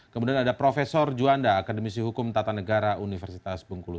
kemudian ada prof juanda akademisi hukum tata negara universitas bengkulu